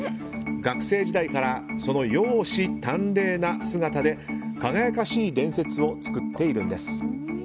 学生時代からその容姿端麗な姿で輝かしい伝説を作っているんです。